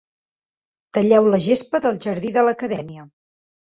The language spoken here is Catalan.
Talleu la gespa del jardí de l'Acadèmia.